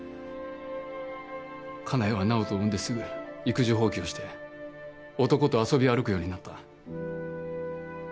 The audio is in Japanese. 香奈江は直人を産んですぐ育児放棄をして男と遊び歩くようになった。